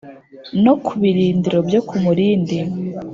No ku birindiro byo ku Murindi